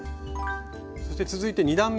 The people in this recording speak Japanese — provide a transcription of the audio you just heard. そして続いて２段め。